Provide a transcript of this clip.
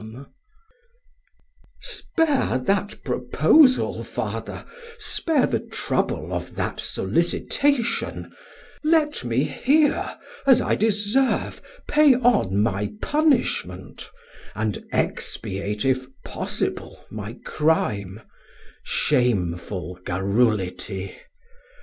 Sam: Spare that proposal, Father, spare the trouble Of that sollicitation; let me here, As I deserve, pay on my punishment; And expiate, if possible, my crime, 490 Shameful garrulity.